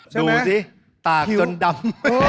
ดูสิตากจนดำ